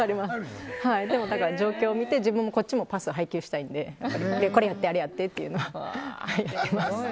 だから状況を見てこっちもパスを配球したいのでこれやってあれやってっていうのはあります。